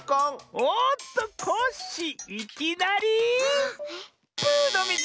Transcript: おっとコッシーいきなりブーのミズ！